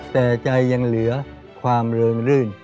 แต่ใจยังเหลือความเริงรื่น